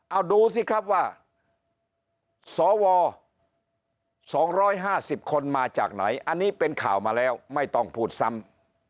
เอาดูสิครับว่าสว๒๕๐คนมาจากไหนอันนี้เป็นข่าวมาแล้วไม่ต้องพูดซ้ำ